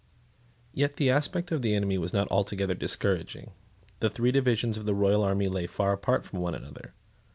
Yet the aspect of the enemy was not altogether discouraging. The three divisions of the royal army lay far apart from one another.